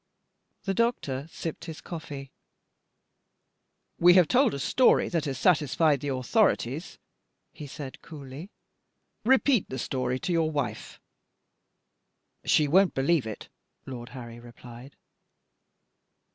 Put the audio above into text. The doctor sipped his coffee. "We have told a story that has satisfied the authorities," he said coolly. "Repeat the story to your wife." "She won't believe it," Lord Harry replied.